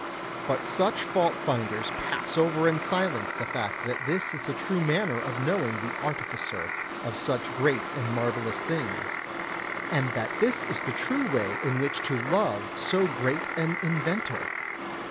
But such fault finders pass over in silence the fact that this is the true manner of knowing the Artificer of such great and marvellous things, and that this is the true way in which to love so great an Inventor!